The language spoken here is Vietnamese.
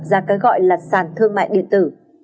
ra cái gọi là sàn thương mại điện tử